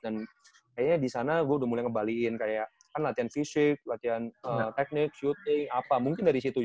dan kayaknya disana gue udah mulai ngebaliin kayak kan latihan fisik latihan teknik shooting apa mungkin dari situ